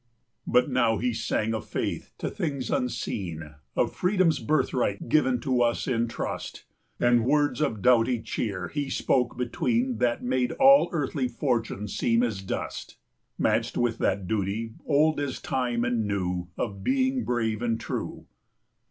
But now he sang of faith to things unseen, Of freedom's birthright given to us in trust; 50 And words of doughty cheer he spoke between, That made all earthly fortune seem as dust, Matched with that duty, old as Time and new, Of being brave and true.